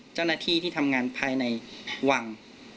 เจ้าหน้าที่ที่ทำงานภายในวัง